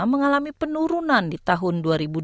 mengalami penurunan di tahun dua ribu dua puluh tiga